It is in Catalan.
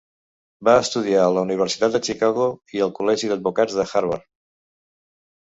Va estudiar a la Universitat de Chicago i al Col·legi d'Advocats de Harvard.